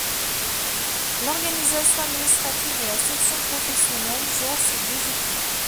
L’organisation administrative de la section professionnelle gère ces deux équipes.